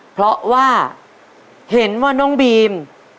เพราะว่าเห็นว่าน้องบีม